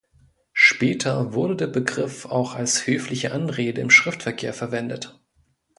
Später wurde der Begriff auch als höfliche Anrede im Schriftverkehr verwendet.